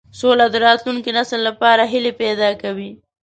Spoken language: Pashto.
سوله د راتلونکي نسل لپاره هیلې پیدا کوي.